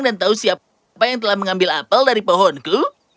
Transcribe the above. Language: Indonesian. dan tahu siapa yang telah mengambil apel dari pohonku